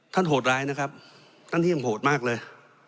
โหดร้ายนะครับท่านเยี่ยมโหดมากเลย